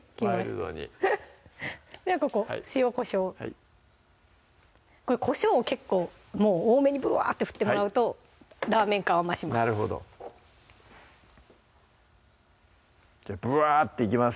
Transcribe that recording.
ワイルドにじゃあここ塩・こしょうをはいこしょうを結構多めにブワーッて振ってもらうとラーメン感は増しますなるほどじゃあブワーッていきます